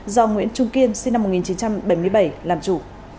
do nguyễn trung kiên sinh năm một nghìn chín trăm bảy mươi bảy làm chủ